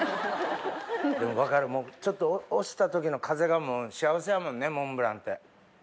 でも分かるちょっと押した時の風が幸せやもんねモンブランって。